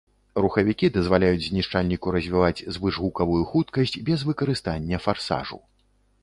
Рухавікі дазваляюць знішчальніку развіваць звышгукавую хуткасць без выкарыстання фарсажу.